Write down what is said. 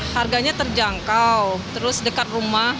harganya terjangkau terus dekat rumah